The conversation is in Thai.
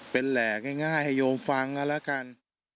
เป็นแหล่งง่ายให้โยมฟังนะละกัน